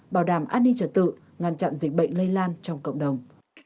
bảo đảm an ninh trật tự ngăn chặn dịch bệnh lây lan trong cộng đồng